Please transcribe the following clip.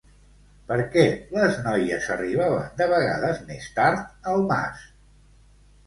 Per què les noies arribaven de vegades més tard al mas?